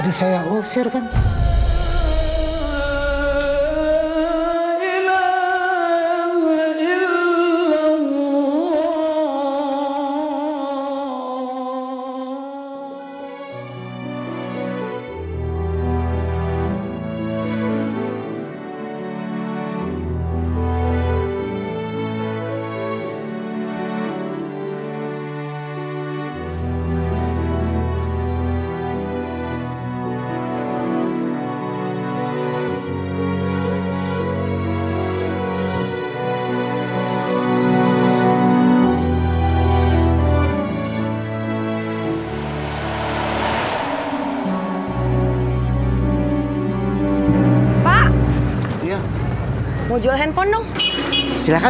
si bapak pelit banget sih